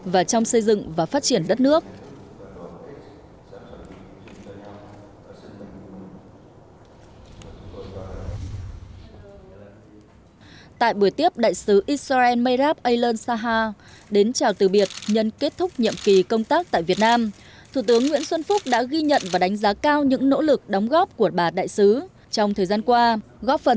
và trong số mà thí sinh vắng đây thì phần lớn là thí sinh tự do